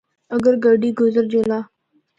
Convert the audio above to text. اگر گڈی گزر جُلا۔